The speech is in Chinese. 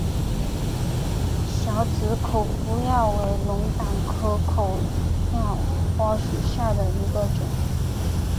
小籽口药花为龙胆科口药花属下的一个种。